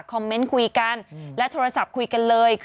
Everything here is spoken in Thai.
คอมเมนต์คุยกันและโทรศัพท์คุยกันเลย